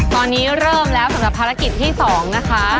ตอนนี้เริ่มแล้วสำหรับภารกิจที่๒นะคะ